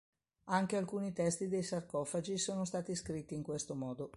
Anche alcuni testi dei sarcofagi sono stati scritti in questo modo.